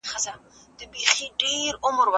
نه نجلۍ یې له فقیره سوای غوښتلای